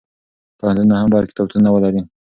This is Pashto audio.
پوهنتونونه هم باید کتابتونونه ولري.